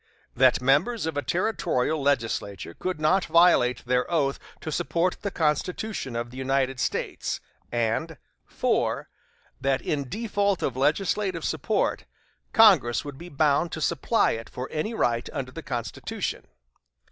That members of a territorial legislature could not violate their oath to support the Constitution of the United States; and, 4. That in default of legislative support, Congress would be bound to supply it for any right under the Constitution.